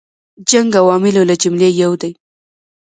جنګ عواملو له جملې یو دی.